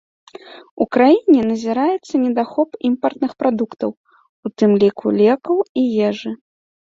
У краіне назіраецца недахоп імпартных прадуктаў, у тым ліку лекаў і ежы.